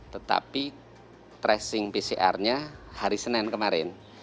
tetapi tracing pcr nya hari senin kemarin